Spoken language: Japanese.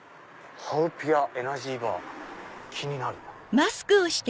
ハウピアエナジーバー気になる！